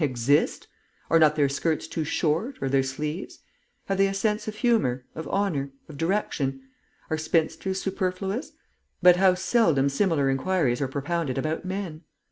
Exist? Are not their skirts too short, or their sleeves? Have they a sense of humour, of honour, of direction? Are spinsters superfluous? But how seldom similar inquiries are propounded about men.